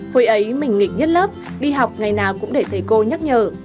hồi ấy mình nghịch nhất lớp đi học ngày nào cũng để thầy cô nhắc nhở